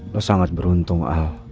lo sangat beruntung al